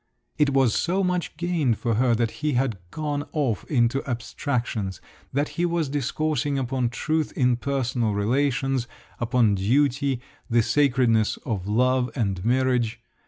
It was so much gained for her that he had gone off into abstractions, that he was discoursing upon truth in personal relations, upon duty, the sacredness of love and marriage….